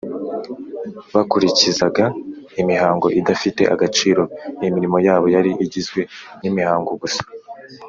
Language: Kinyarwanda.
. Bakurikizaga imihango idafite agaciro. Imirimo yabo yari igizwe n’imihango gusa;